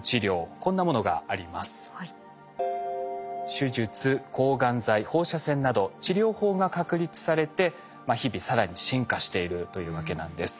手術抗がん剤放射線など治療法が確立されて日々更に進化しているというわけなんです。